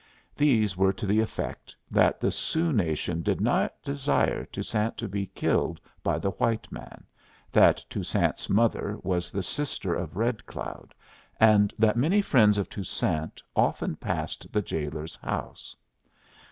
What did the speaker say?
These were to the effect that the Sioux nation did not desire Toussaint to be killed by the white man, that Toussaint's mother was the sister of Red Cloud, and that many friends of Toussaint often passed the jailer's house.